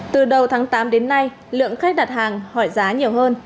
từ đầu tháng tám đến nay lượng khách đặt hàng hỏi giá nhiều hơn